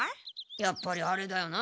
やっぱりあれだよな。